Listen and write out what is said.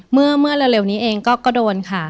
เมื่อเร็วนี้เองก็โดนค่ะ